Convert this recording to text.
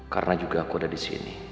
karena juga aku udah disini